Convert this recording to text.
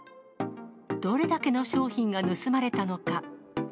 どれだけの商品が盗まれたのか。